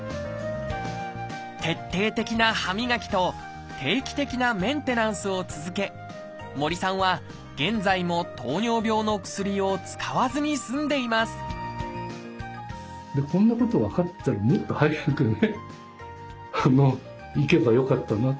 徹底的な歯磨きと定期的なメンテナンスを続け森さんは現在も糖尿病の薬を使わずに済んでいますというふうに本当感謝感謝ですね。